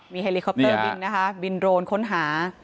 เฮลิคอปเตอร์บินนะคะบินโรนค้นหา